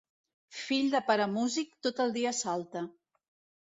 Fill de pare músic, tot el dia salta.